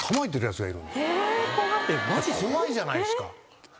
怖いじゃないですか。